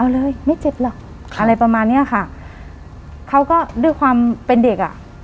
เอาเลยไม่เจ็บหรอกอะไรประมาณเนี้ยค่ะเขาก็ด้วยความเป็นเด็กอ่ะ